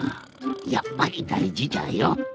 やっぱりだいじじゃよ。